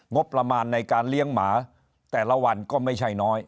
งบประมาณในการเลี้ยงหมาแต่ละวันก็ไม่ใช่น้อย